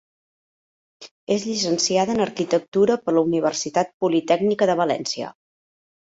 És llicenciada en arquitectura per la Universitat Politècnica de València.